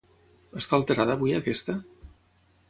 Està alterada avui aquesta?